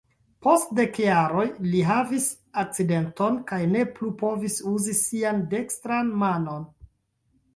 Post dek jaroj li havis akcidenton kaj ne plu povis uzi sian dekstran manon.